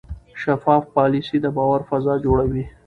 شفاف پالیسي د باور فضا جوړوي.